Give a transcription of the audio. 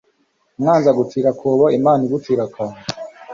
umwanzi agucira akobo imana igucira akanzu